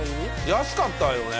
安かったよね？